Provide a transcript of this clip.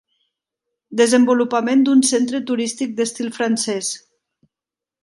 Desenvolupament d'un centre turístic d'estil francès.